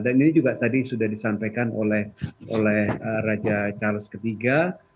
dan ini juga tadi sudah disampaikan oleh raja charles ketiga